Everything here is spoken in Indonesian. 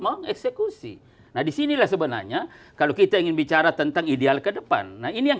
mengeksekusi nah disinilah sebenarnya kalau kita ingin bicara tentang ideal ke depan nah ini yang